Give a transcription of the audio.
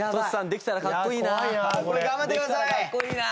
できたらかっこいいな。